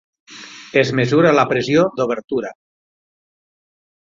Es mesura la pressió d'obertura.